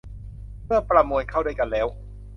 เมื่อประมวลเข้าด้วยกันแล้ว